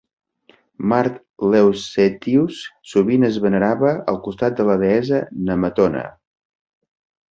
Mart Leucetius sovint es venerava al costat de la deessa Nemetona.